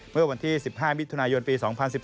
เมื่อวันที่๑๕วิธุนายทริปุ่นปี๒๐๑๓